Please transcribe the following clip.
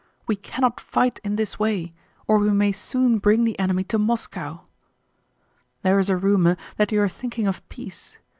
We cannot fight in this way, or we may soon bring the enemy to Moscow.... There is a rumor that you are thinking of peace.